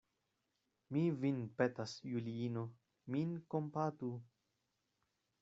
Mi vin petas, Juliino, min kompatu.